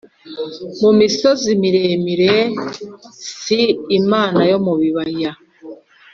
Mu misozi miremire si imana yo mu bibaya